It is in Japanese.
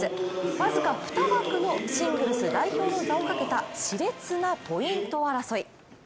僅か２枠のシングルス代表の座をかけたしれつなポイント争い。